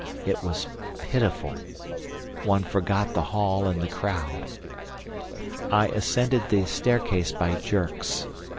It was pitiful. One forgot the hall and the crowd. "I ascended the staircase by jerks.